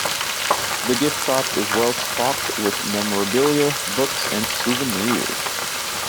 The gift shop is well-stocked with memorabilia, books, and souvenirs.